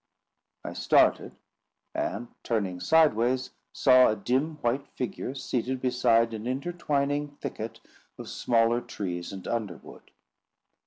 I started, and, turning sideways, saw a dim white figure seated beside an intertwining thicket of smaller trees and underwood.